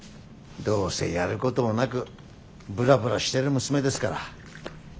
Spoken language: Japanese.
どうせやることもなくぶらぶらしてる娘ですから。